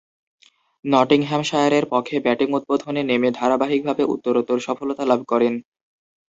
নটিংহ্যামশায়ারের পক্ষে ব্যাটিং উদ্বোধনে নেমে ধারাবাহিকভাবে উত্তরোত্তর সফলতা লাভ করেন।